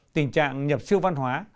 tình trạng nhập siêu văn hóa